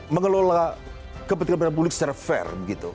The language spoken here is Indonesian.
mengelola kepentingan publik secara fair